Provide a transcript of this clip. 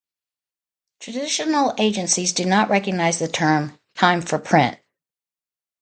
Traditional agencies do not recognise the term "time for print".